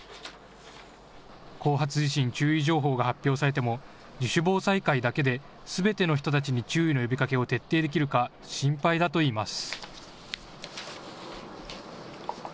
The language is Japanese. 後発地震注意情報が発表されても自主防災会だけですべての人たちに注意の呼びかけを徹底できるか心配だといいます。